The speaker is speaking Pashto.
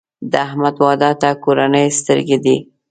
د احمد واده ته کورنۍ سترګې دي.